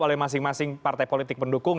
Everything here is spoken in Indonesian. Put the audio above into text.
oleh masing masing partai politik pendukung